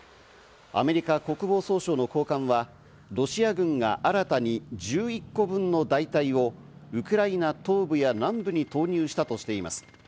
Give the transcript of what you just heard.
アメリカ国防総省の高官はロシア軍が新たに１１個分の大隊をウクライナ東部や南部に投入したとしています。